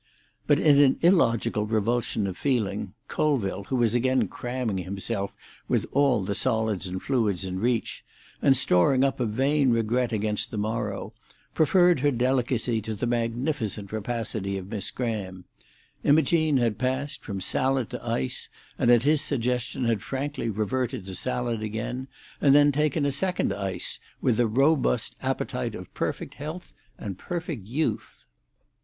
But in an illogical revulsion of feeling. Colville, who was again cramming himself with all the solids and fluids in reach, and storing up a vain regret against the morrow, preferred her delicacy to the magnificent rapacity of Miss Graham: Imogene had passed from salad to ice, and at his suggestion had frankly reverted to salad again and then taken a second ice, with the robust appetite of perfect health and perfect youth.